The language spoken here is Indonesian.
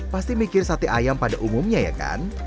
pasti mikir sate ayam pada umumnya ya kan